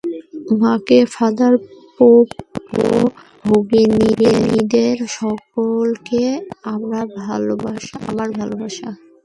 মাকে, father pope ও ভগিনীদের সকলকে আমার ভালবাসা।